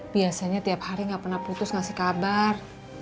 biasanya tiap hari gak pernah putus ngasih kabar